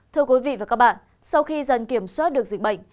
thưa quý vị và các bạn sau khi dần kiểm soát được dịch bệnh